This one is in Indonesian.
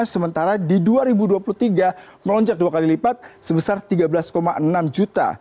sementara di dua ribu dua puluh tiga melonjak dua kali lipat sebesar tiga belas enam juta